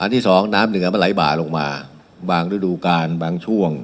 ที่สองน้ำเหนือมันไหลบ่าลงมาบางฤดูการบางช่วง